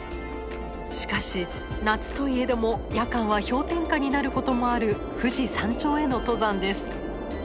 しかし夏といえども夜間は氷点下になることもある富士山頂への登山です。